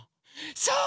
そう！